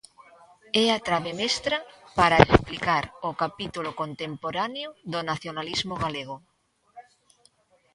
É a trabe mestra para explicar o capítulo contemporáneo do nacionalismo galego.